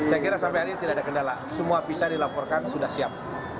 saya kira sampai hari ini tidak ada kendala semua bisa dilaporkan sudah siap